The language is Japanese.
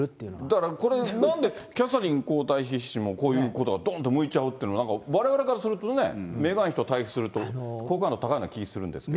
だからこれ、なんでキャサリン皇太子妃もこういうことは、どんと向いちゃうっていうのは、なんかわれわれからするとね、メーガン妃と対比すると好感度高いような気がするんですけど。